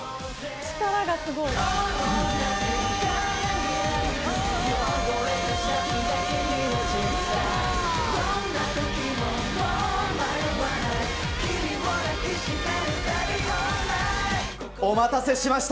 力がすごい。お待たせしました。